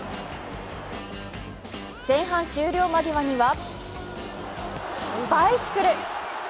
前半終了間際にはバイシクル！